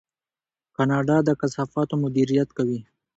کاناډا د کثافاتو مدیریت کوي.